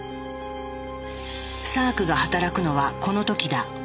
サークが働くのはこの時だ。